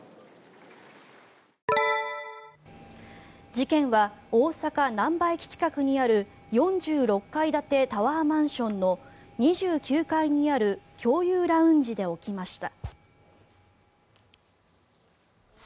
事件は大阪・なんば駅近くにある４６階建てタワーマンションの２９階にある共有ラウンジで起きました。